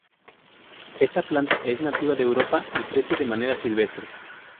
Esta planta es nativa de Europa y crece de manera silvestre.